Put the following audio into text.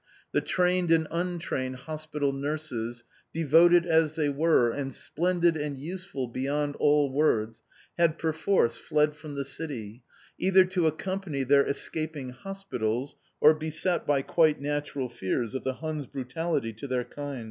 The trained and untrained hospital nurses, devoted as they were, and splendid and useful beyond all words, had perforce fled from the city, either to accompany their escaping hospitals, or beset by quite natural fears of the Huns' brutality to their kind.